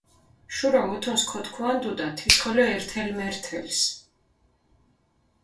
შურო მუთუნს ქოთქუანდუდა, თის ხოლო ერთელ-მერთელს.